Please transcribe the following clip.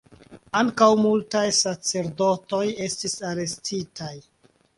Ankaŭ multaj sacerdotoj estis arestitaj.